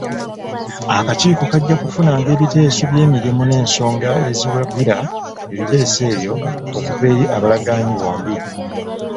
Akakiiko kajja kufunanga ebiteeso by'emirimu n'ensonga eziwagira ebiteeso ebyo okuva eri abalagaanyi bombi.